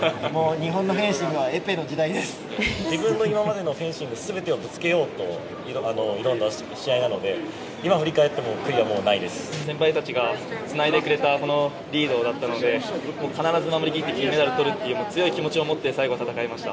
日本の今までのフェンシング全てをぶつけようと挑んだ試合なので今、振り返っても先輩たちがつないでくれたリードだったので必ず守り切って金メダルとるという強い気持ちを持って最後戦いました。